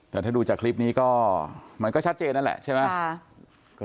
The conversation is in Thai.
แต่ถ้าดูจากคลิปนี้ก็มันก็ชัดเจนนั่นแหละใช่ไหม